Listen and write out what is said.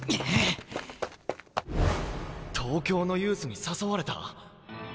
東京のユースに誘われた？